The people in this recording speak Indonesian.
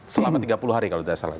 selama tiga puluh hari kalau tidak salah